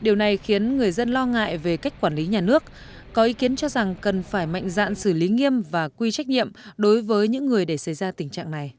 điều này khiến người dân lo ngại về cách quản lý nhà nước có ý kiến cho rằng cần phải mạnh dạn xử lý nghiêm và quy trách nhiệm đối với những người để xảy ra tình trạng này